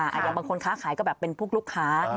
อย่างบางคนค้าก็เป็นพวกลูกค้า